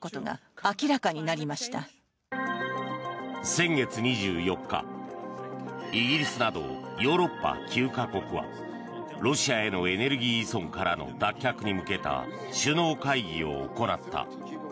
先月２４日イギリスなどヨーロッパ９か国はロシアへのエネルギー依存からの脱却に向けた首脳会議を行った。